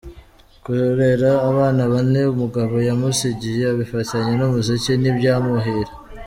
Kurera abana bane umugabo yamusigiye abifatanya n’umuziki ntibyamuhira.